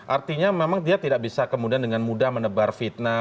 artinya memang dia tidak bisa kemudian dengan mudah menebar fitnah